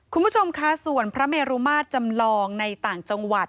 คุณผู้ชมคะส่วนพระเมรุมาตรจำลองในต่างจังหวัด